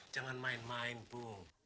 jangan main main bu